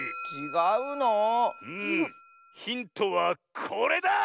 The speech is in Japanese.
ヒントはこれだ！